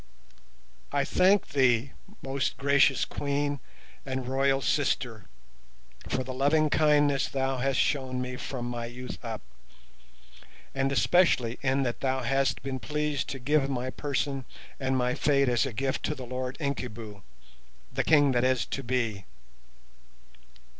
"I thank thee, most gracious Queen and royal sister, for the loving kindness thou hast shown me from my youth up, and especially in that thou hast been pleased to give my person and my fate as a gift to the Lord Incubu—the King that is to be.